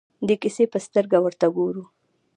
د کیسې په سترګه ورته ګورو.